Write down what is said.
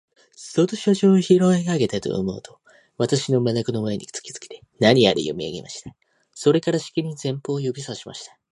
その書状をひろげたかとおもうと、私の眼の前に突きつけて、何やら読み上げました。それから、しきりに前方を指さしました。